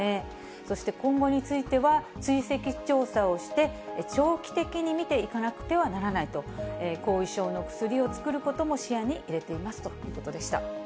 そして、今後については追跡調査をして、長期的に見ていかなくてはならないと、後遺症の薬を作ることも視野に入れていますということでした。